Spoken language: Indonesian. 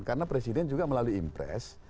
karena presiden juga melalui impres